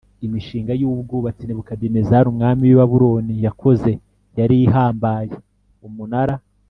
imishinga y ubwubatsi nebukadinezari umwami w i babuloni yakoze yari ihambaye umunara